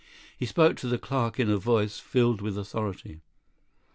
He spoke to the clerk in a voice filled with authority.